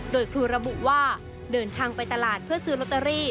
โดยครูระบุว่าเดินทางไปตลาดเพื่อซื้อลอตเตอรี่